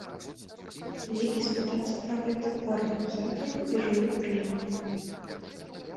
Лепей спытацца пра гэта ў арганізатараў і журы прэміі.